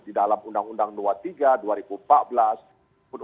di dalam undang undang no tiga